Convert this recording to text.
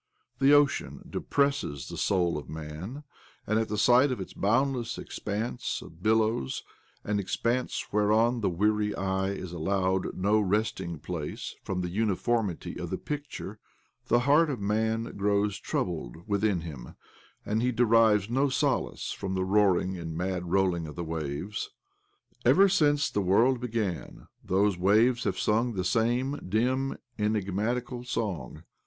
The ocean depresses the soul of man, and at the sight of its boundless expanse of billows — an expanse whiereon the weary eye is allowed no resting place from the uniformity of the picture — the heart of man grows troubled within him, and he derives no solace from the roaring and mad rolling of the waves. Ever since the world began, those waves have sung the same dim, enigmatical song.